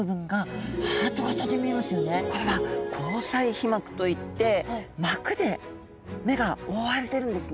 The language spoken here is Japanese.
これは虹彩皮膜といって膜で目が覆われてるんですね。